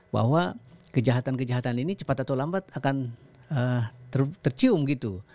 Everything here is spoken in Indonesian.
bahwa kejahatan kejahatan ini cepat atau lambat akan tercium gitu